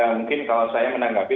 mungkin kalau saya menanggapi